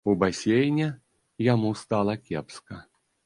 У басейне яму стала кепска.